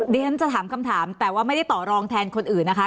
เดี๋ยวฉันจะถามคำถามแต่ว่าไม่ได้ต่อรองแทนคนอื่นนะคะ